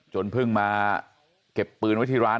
เพิ่งมาเก็บปืนไว้ที่ร้าน